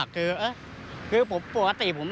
คือเอ๊ะคือผมปกติ